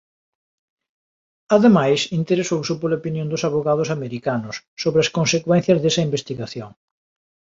Ademais, interesouse pola opinión dos avogados americanos sobre as consecuencias desa investigación.